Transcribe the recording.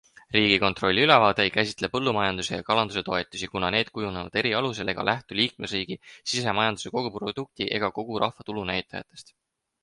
Riigikontrolli ülevaade ei käsitle põllumajanduse ja kalanduse toetusi, kuna need kujunevad erialusel ega lähtu liikmesriigi sisemajanduse koguprodukti ega kogurahvatulu näitajatest.